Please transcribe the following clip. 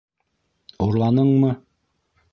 - Урланыңмы?